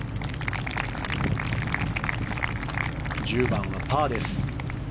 １０番はパーです。